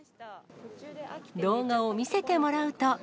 動画を見せてもらうと。